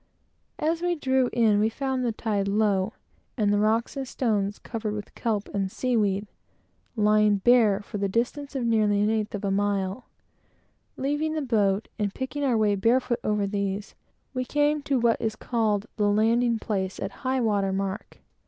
As we drew in, we found the tide low, and the rocks and stones, covered with kelp and sea weed, lying bare for the distance of nearly an eighth of a mile. Picking our way barefooted over these, we came to what is called the landing place, at high water mark.